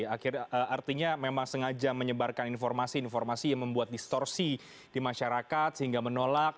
artinya memang sengaja menyebarkan informasi informasi yang membuat distorsi di masyarakat sehingga menolak